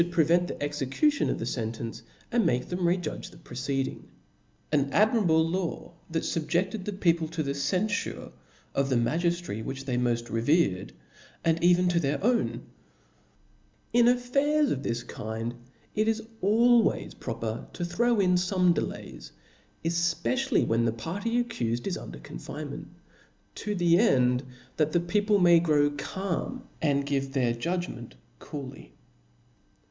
prevent the execution of the fcntence, and make them C). See re judge the proceeding. An admirable law, that tuJ's^iives fubjefted the people to.the cenfure of the magiftracy *^h'ft^^^' ^^^^^ ^^^y ^^^ revered, and even to their own I book i. In affairs of this kind, it is always proper to throw iE^hines. ^^^^"^^ delays, efpecially when the party accufed is under confinement ; to the end that the people may grow calm, and give their judgment cooly.